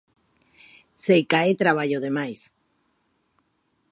Seica é traballo de máis.